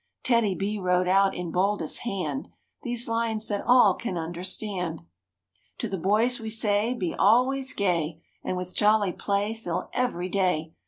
TEDDY—B wrote out in boldest hand These lines that all can understand: "To the boys we say be always gay, And with jolly play fill every day.